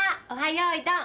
よいどん」